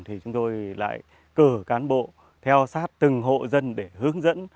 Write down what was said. thì chúng tôi lại cử cán bộ theo sát từng hộ dân để hướng dẫn